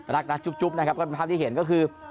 รักนะจุ๊บนะครับก็เป็นภาพที่เห็นก็คือ